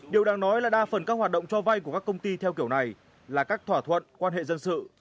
điều đáng nói là đa phần các hoạt động cho vay của các công ty theo kiểu này là các thỏa thuận quan hệ dân sự